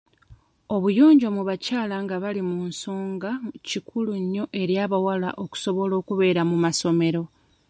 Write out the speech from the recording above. Obuyonjo mu bakyala nga bali mu nsonga kikulu nnyo eri abawala okusobola okubeera mu masomero.